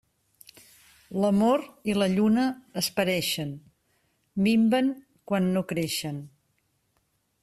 L'amor i la lluna es pareixen, minven quan no creixen.